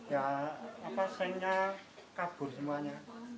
ya apa sengnya kabur semuanya